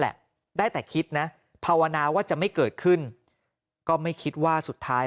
แหละได้แต่คิดนะภาวนาว่าจะไม่เกิดขึ้นก็ไม่คิดว่าสุดท้าย